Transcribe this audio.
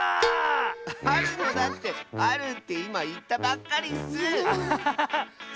あるのだってあるっていまいったばっかりッス。